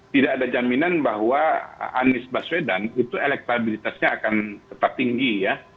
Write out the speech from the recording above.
tidak ada jaminan bahwa anies baswedan itu elektabilitasnya akan tetap tinggi ya